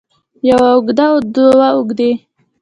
يوه اوږه او دوه اوږې